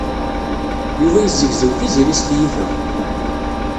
Yuba yezzegzew Tiziri s tyita.